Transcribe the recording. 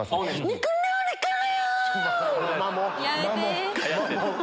肉料理から！